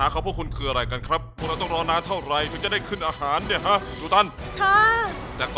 คุณบอกคุณเมื่อไหร่ว่ามันคือเกลือ